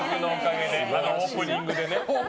またオープニングでね。